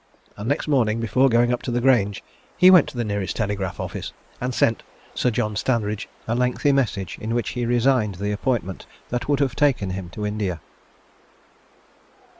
And next morning, before going up to the Grange, he went to the nearest telegraph office, and sent Sir John Standridge a lengthy message in which he resigned the appointment that would have taken him to India.